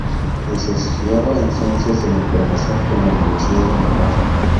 Licenciado en Ciencias de la Información por la Universidad de Navarra.